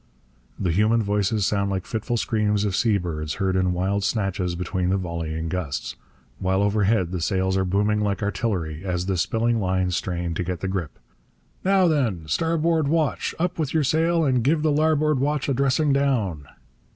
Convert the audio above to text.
The human voices sound like fitful screams of seabirds, heard in wild snatches between the volleying gusts; while overhead the sails are booming like artillery, as the spilling lines strain to get the grip. 'Now then, starboard watch, up with your sail and give the larboard watch a dressing down!'